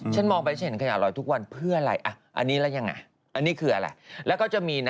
ฉันมองไปเศร้าขยาลอยทุกวันเพื่ออะไรอันนี้มัยยังหะเค้าก็จะมีน่ะ